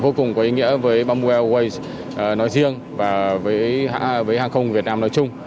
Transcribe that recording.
vô cùng có ý nghĩa với bamboo airways nói riêng và với hãng hàng không việt nam nói chung